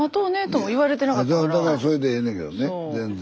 それでええねんけどね全然。